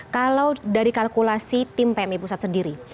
kalau dari kalkulasi tim pmi pusat sendiri